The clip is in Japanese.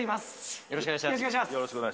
よろしくお願いします。